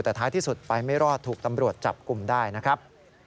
แต่ท้ายที่สุดไปไม่รอดถูกตำรวจจับกลุ่มได้นะครับ